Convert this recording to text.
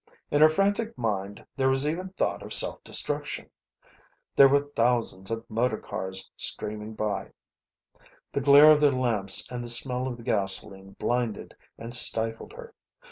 In her frantic mind there was even thought of self destruction. There were thousands of motor cars streaming by. The glare of their lamps and the smell of the gasoline blinded and stifled her.